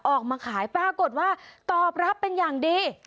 ออกมาขายปรากฏว่าตอบรับเป็นอย่างดี